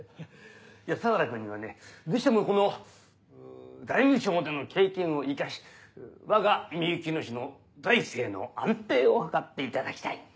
相楽君にはねぜひともこの財務省での経験を生かしわがみゆきの市の財政の安定を図っていただきたい。